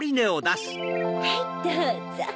はいどうぞ。